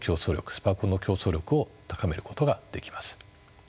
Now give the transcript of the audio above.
スパコンの競争力を高めることができます。